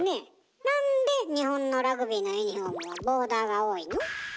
なんで日本のラグビーのユニフォームはボーダーが多いの？